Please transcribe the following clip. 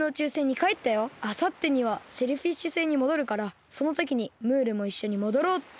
あさってにはシェルフィッシュ星にもどるからそのときにムールもいっしょにもどろうって。